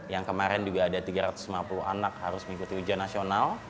yang kemarin juga ada tiga ratus lima puluh anak harus mengikuti ujian nasional